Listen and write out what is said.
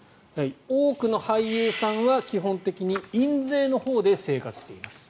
多くの俳優さんは、基本的に印税のほうで生活しています。